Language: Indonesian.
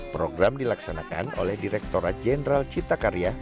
program dilaksanakan oleh direktora jenderal cita karir